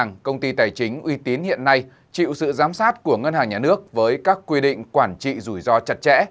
trong những giám sát của ngân hàng nhà nước với các quy định quản trị rủi ro chặt chẽ